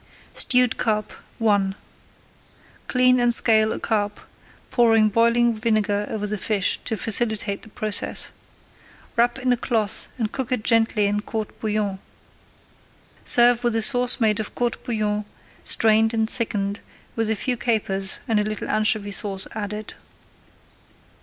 STEWED CARP I Clean and scale a carp, pouring boiling vinegar over the fish to facilitate the process. Wrap in a cloth and cook it gently in court bouillon. Serve with a sauce made of court bouillon, strained and thickened, with a few capers and a little anchovy sauce added.